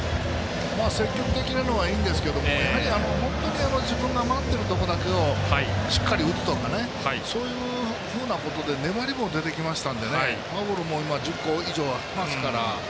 積極的なのはいいんですけど、本当に自分が待っているところだけをしっかり打つとかねそういうふうなことで粘りも出てきましたのでフォアボールも今、１０個以上ありますから。